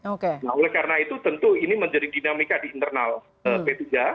nah oleh karena itu tentu ini menjadi dinamika di internal p tiga